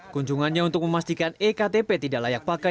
kunjungannya untuk memastikan e ktp tidak layak pakai